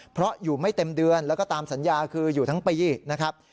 เพราะอยู่ไม่เต็มเดือนแล้วก็ตามสัญญาคืออยู่ทั้งปีนะครับ